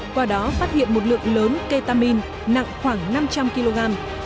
qua đó phát hiện một lượng lớn ketamine nặng khoảng năm trăm linh kg